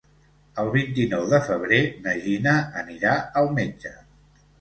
El vint-i-nou de febrer na Gina anirà al metge.